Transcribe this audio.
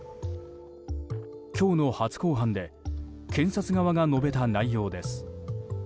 今日の初公判で検察側が述べた内容です。